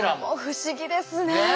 不思議ですね。